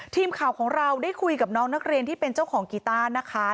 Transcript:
ทีมข่าวของเราได้คุยกับน้องนักเรียนที่เป็นเจ้าของกีต้านะคะ